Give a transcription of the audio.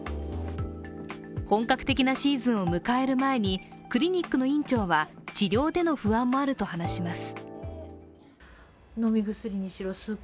本格的なシーズンを迎える前にクリニックの院長は治療での不安もあると話します。